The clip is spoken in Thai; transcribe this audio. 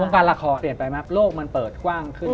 การละครเปลี่ยนไปมากโลกมันเปิดกว้างขึ้น